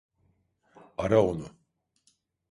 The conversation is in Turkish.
Ara onu.